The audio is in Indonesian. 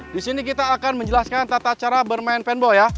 di sini kita akan menjelaskan tata cara bermain fanball ya